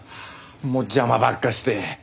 もう邪魔ばっかして。